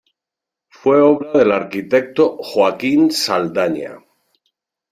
Fue obra del arquitecto Joaquín Saldaña.